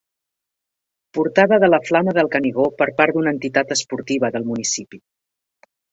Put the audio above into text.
Portada de la flama del Canigó per part d'una entitat esportiva del municipi.